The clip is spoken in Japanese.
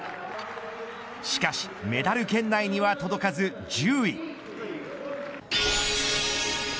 しかしメダル圏内には届かず１０位。